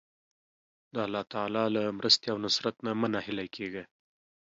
د الله تعالی له مرستې او نصرت نه مه ناهیلی کېږه.